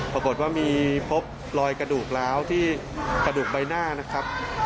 ปรากฏว่ามีพบรอยกระดูกล้าวที่กระดูกใบหน้านะครับ